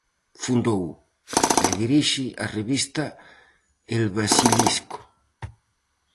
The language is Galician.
Fundou e dirixe a revista El Basilisco.